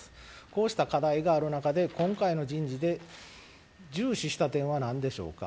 こうした課題がある中で今回の人事で重視した点は何でしょうか。